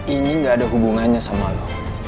ini gak ada hubungannya sama lo